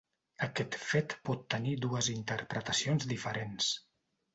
Aquest fet pot tenir dues interpretacions diferents.